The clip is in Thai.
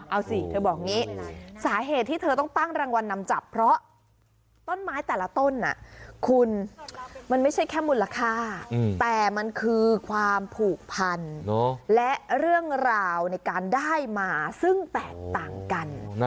เอาสิเธอบอกอย่างนี้สาเหตุที่เธอต้องตั้งรางวัลนำจับเพราะต้นไม้แต่ละต้นคุณมันไม่ใช่แค่มูลค่าแต่มันคือความผูกพันและเรื่องราวในการได้มาซึ่งแตกต่างกัน